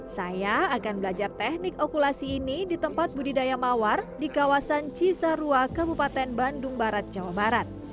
saya akan belajar teknik okulasi ini di tempat budidaya mawar di kawasan cisarua kabupaten bandung barat jawa barat